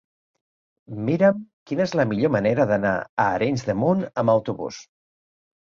Mira'm quina és la millor manera d'anar a Arenys de Munt amb autobús.